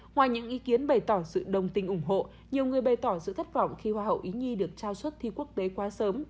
ngoài những ý kiến bày tỏ sự đồng tình ủng hộ nhiều người bày tỏ sự thất vọng khi hoa hậu ý nhi được trao xuất thi quốc tế quá sớm